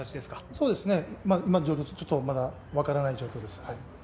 そうですね、ちょっとまだ分からない状態です。